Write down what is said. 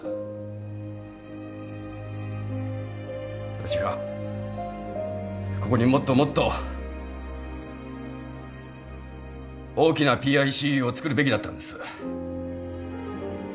私がここにもっともっと大きなＰＩＣＵを作るべきだったんです。